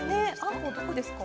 こうどこですか？